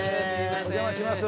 お邪魔します。